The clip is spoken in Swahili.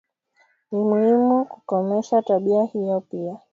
Ni muhimu kukomesha tabia hiyo pia